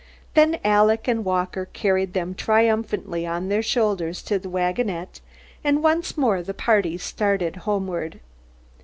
Then Alec and Walker carried them triumphantly on their shoulders to the wagonette, and once more the party started homeward.